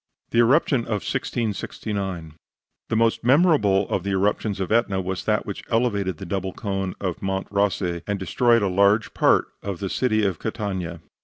THE ERUPTION OF 1669 The most memorable of the eruptions of Etna was that which elevated the double cone of Monte Rossi and destroyed a large part of the city of Catania.